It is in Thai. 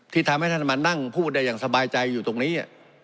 ที่ทำให้ท่านมานั่งพูดได้อย่างสบายใจอยู่ตรงนี้